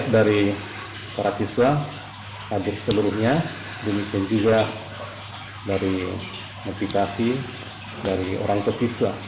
dari notifikasi dari orang ke siswa